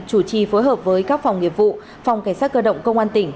chủ trì phối hợp với các phòng nghiệp vụ phòng cảnh sát cơ động công an tỉnh